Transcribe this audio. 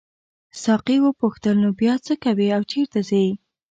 ساقي وپوښتل نو بیا څه کوې او چیرته ځې.